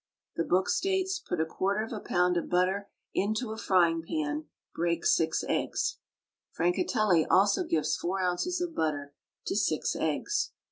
The book states, "Put a quarter of a pound of butter into a frying pan, break six eggs"; Francatelli also gives four ounces of butter to six eggs.